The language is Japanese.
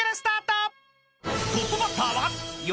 ［トップバッターは］